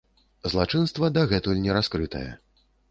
Злачынства дагэтуль не раскрытае.